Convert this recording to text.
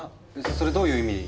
それどういう意味？